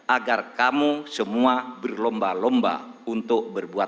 agar kamu semua berlomba lomba untuk berbuat